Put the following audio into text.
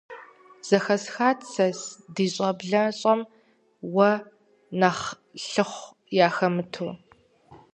Зыхэсхат сэ ди щӀэблэщӀэм уэ нэхъ лӀыхъу яхэмыту.